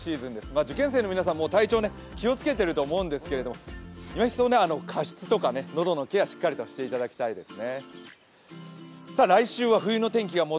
受験生の皆さん、体調ね、気をつけていると思うんですけど今一層、加湿とか喉のケアをしっかりしていただきたいですね。